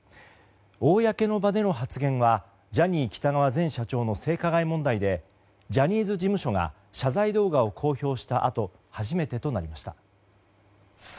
公の場での発言はジャニー喜多川前社長の性加害問題でジャニーズ事務所が謝罪動画を公表したあと初めてとなりました。